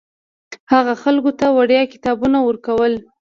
هغه خلکو ته وړیا کتابونه ورکول.